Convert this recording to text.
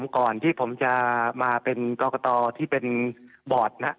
ก่อนที่ผมจะมาเป็นกรกตที่เป็นบอร์ดนะครับ